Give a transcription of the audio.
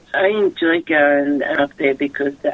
saya senang pergi ke sana